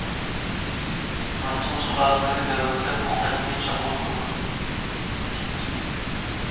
مىڭ، چىڭ سۇلالىلىرى دەۋرىدە بۇ قەدىمىي چالغۇ يوقىلىپ كەتكەن.